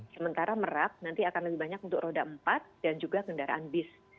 sementara merak nanti akan lebih banyak untuk roda empat dan juga kendaraan bis